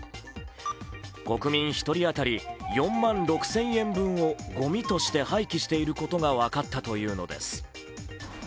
国民１人中４万６０００円分をごみとして廃棄していることが分かったというのです。